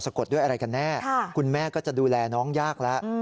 กดด้วยอะไรกันแน่คุณแม่ก็จะดูแลน้องยากแล้ว